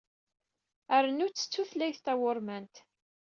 Rnu-tt d d tutlayt tawurmant.